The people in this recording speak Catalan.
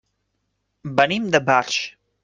Venim de Barx.